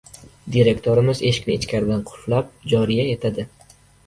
Direktorimiz eshikni ichkaridan qulflab joriya etadi: